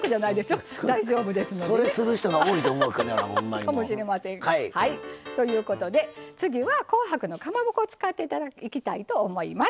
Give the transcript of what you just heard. それする人が多いかもしれない。ということで、次は紅白のかまぼこを使っていきたいと思います。